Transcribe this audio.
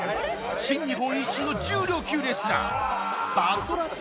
新日本イチの重量級レスラーバッドラック